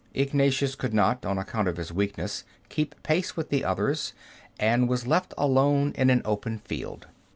Ignatius could not, on account of his weakness, keep pace with the others, and was left alone in an open field.